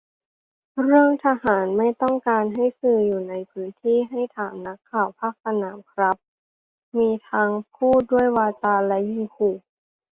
เรื่องทหารไม่ต้องการให้สื่ออยู่ในพื้นที่ ให้ถามนักข่าวภาคสนามครับ มีทั้งพูดด้วยวาจา และยิงขู่